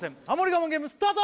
我慢ゲームスタート！